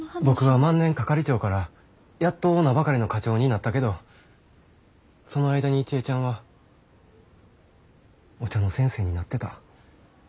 僕は万年係長からやっと名ばかりの課長になったけどその間に一恵ちゃんはお茶の先生になってた。